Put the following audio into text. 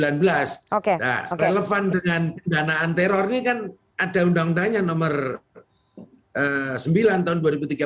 nah relevan dengan pendanaan teror ini kan ada undang undangnya nomor sembilan tahun dua ribu tiga belas